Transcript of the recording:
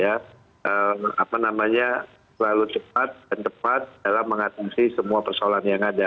apa namanya terlalu cepat dan tepat dalam mengatasi semua persoalan yang ada